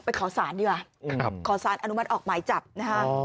ขอสารดีกว่าขอสารอนุมัติออกหมายจับนะคะ